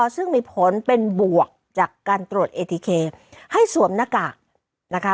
ซึ่งมีผลเป็นบวกจากการตรวจเอทีเคให้สวมหน้ากากนะคะ